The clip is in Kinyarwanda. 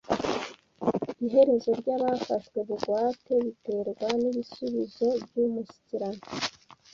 Iherezo ryabafashwe bugwate biterwa nibisubizo byumushyikirano.